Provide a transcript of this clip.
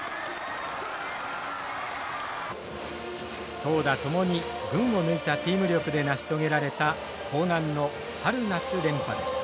投打共に群を抜いたチーム力で成し遂げられた興南の春夏連覇でした。